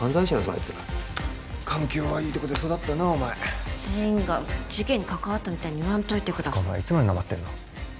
あいつら環境悪いとこで育ったなお前全員が事件に関わったみたいに言わんといてくださいつかお前いつまでなまってんの？